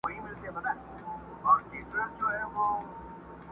ستا پر لوري د اسمان سترګي ړندې دي!!